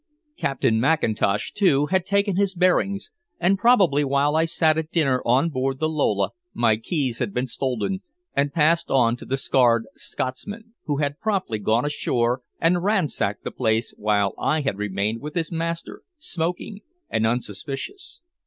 Captain Mackintosh, too, had taken his bearings, and probably while I sat at dinner on board the Lola my keys had been stolen and passed on to the scarred Scotsman, who had promptly gone ashore and ransacked the place while I had remained with his master smoking and unsuspicious.